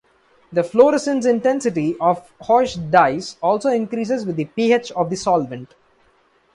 The fluorescence intensity of Hoechst dyes also increases with the pH of the solvent.